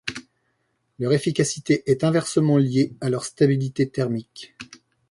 Leur efficacité est inversement liée à leur stabilité thermique.